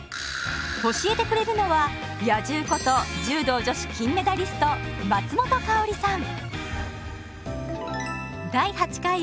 教えてくれるのは「野獣」こと柔道女子金メダリスト松本薫さん。